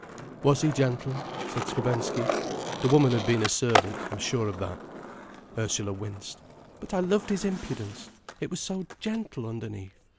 "Was he gentle?" said Skrebensky. "The woman had been a servant, I'm sure of that." Ursula winced. "But I loved his impudence—it was so gentle underneath."